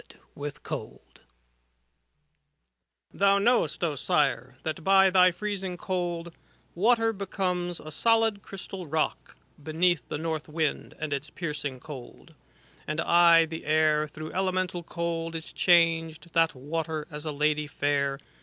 IT 113 H CANZONIERE Thou knowest, O Sire, that by the freezing cold, ' Water becomes a solid crystal rock, Beneath the north wind and its piercing cold. And aye the air, through elemental cold. Is changed, that water, as a lady fair.